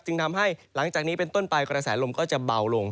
ทำให้หลังจากนี้เป็นต้นไปกระแสลมก็จะเบาลง